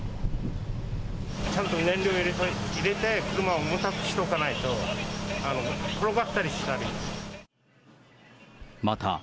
ちゃんと燃料入れて、車を重たくしとかないと、転がったりしたり。